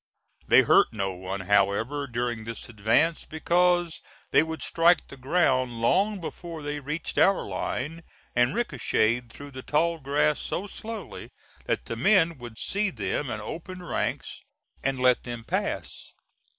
They hurt no one, however, during this advance, because they would strike the ground long before they reached our line, and ricochetted through the tall grass so slowly that the men would see them and open ranks and let them pass.